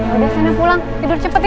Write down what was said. pada sana pulang tidur cepet ya